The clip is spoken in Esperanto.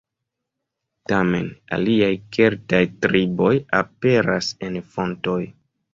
Tamen aliaj keltaj triboj aperas en fontoj.